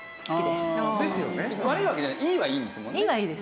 別に悪いわけじゃないいい